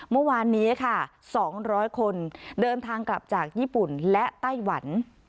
เมื่อวานนี้ค่ะ๒๐๐คนเดินทางกลับจากญี่ปุ่นและไต้หวัน